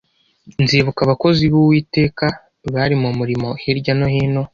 Nzibuka abakozi b’Uwiteka bari mu murimo hirya no hino.